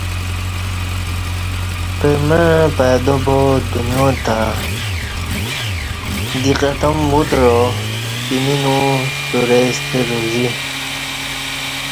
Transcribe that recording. پرمع پیدابا دنیاتہ دی قدم وُتعا پمینو سترے ستہ روزی